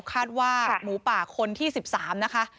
คาดว่าหมูป่าคนที่๑๓นะคะ